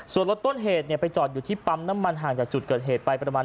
ส่วนรถต้นเหตุไปจอดอยู่ที่ปั๊มน้ำมันห่างจากจุดเกิดเหตุไปประมาณ